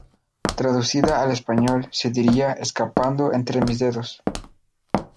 Traducida al español se diría "Escapando entre mis dedos".